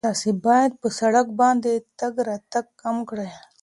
تاسو باید په سړک باندې تګ راتګ کم کړئ.